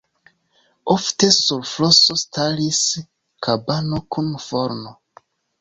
Ofte sur floso staris kabano kun forno.